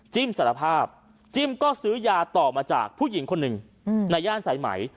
สารภาพจิ้มก็ซื้อยาต่อมาจากผู้หญิงคนหนึ่งในย่านสายไหม